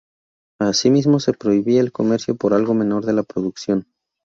Asimismo se prohibía el comercio al por menor de la producción.